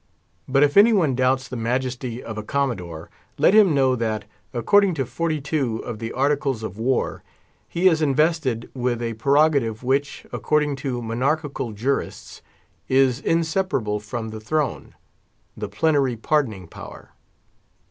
But if any one doubts the majesty of a Commodore, let him know that, according to XLII. of the Articles of War, he is invested with a prerogative which, according to monarchical jurists, is inseparable from the throne—the plenary pardoning power.